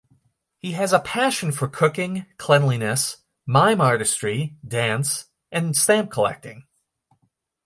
He has a passion for cooking, cleanliness, mime artistry, dance, and stamp collecting.